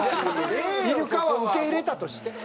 イルカは受け入れたとして。